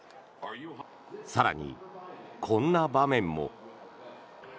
更に、こんな場面も。